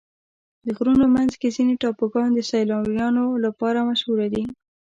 د غرونو منځ کې ځینې ټاپوګان د سیلانیانو لپاره مشهوره دي.